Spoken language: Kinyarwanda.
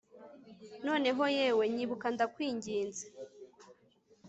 noneho, yewe! nyibuka ndakwinginze